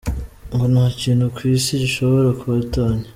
Ngo "ntakintu ku isi gishobora kubatanya.